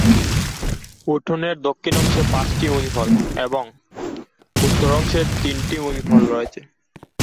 উঠোনের দক্ষিণ অংশে পাঁচটি উইং হল এবং উত্তর অংশে তিনটি উইং হল রয়েছে।